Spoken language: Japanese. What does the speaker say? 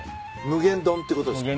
無限丼ってことですか？